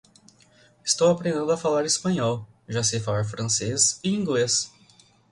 Estou aprendendo a falar espanhol, já sei falar francês e inglês.